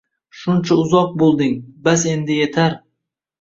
Shuncha uzoq bo’lding, bas, endi yetar